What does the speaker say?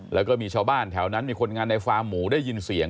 แล้วก็มีชาวบ้านแถวนั้นมีคนงานในฟาร์มหมูได้ยินเสียง